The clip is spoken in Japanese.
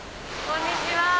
こんにちは。